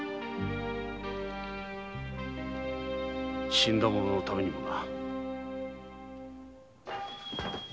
死んだ者のためにもな。